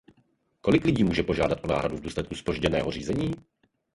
Kolik lidí může žádat o náhradu v důsledku zpožděného řízení?